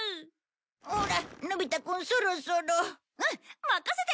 ほらのび太くんそろそろ。